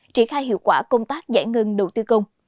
triển khai hiệu quả công tác giải ngân đầu tư công